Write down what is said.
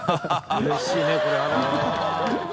うれしいねこれは。